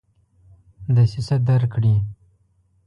دسیسه درک کړي.